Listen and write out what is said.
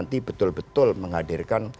nanti betul betul menghadirkan